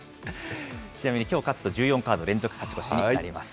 ちなみにきょう勝つと、１４カード連続勝ち越しになります。